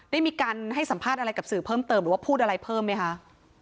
ได้มีการให้สัมภาษณ์อะไรกับสื่อเพิ่มเติมหรือว่าพูดอะไรเพิ่มไหมคะ